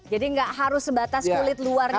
jadi enggak harus sebatas kulit luarnya